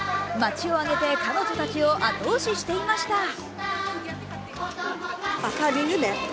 町を挙げて彼女たちを後押ししていました。